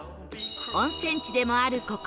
温泉地でもあるここ